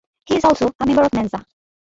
He is also a member of Mensa.